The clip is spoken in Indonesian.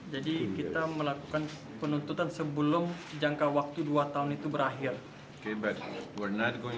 jadi kita melakukan penuntutan sebelum jangka waktu dua tahun itu berakhir